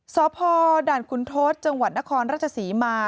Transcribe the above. สพด่านขุนทศจังหวัดนครราชศรีมา